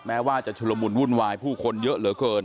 แม้ว่าจะชุลมุนวุ่นวายผู้คนเยอะเหลือเกิน